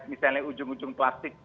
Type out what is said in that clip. misalnya ujung ujung plastik